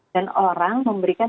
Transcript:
dan orang memberikan peluang